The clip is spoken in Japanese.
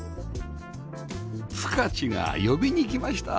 プカチが呼びに来ました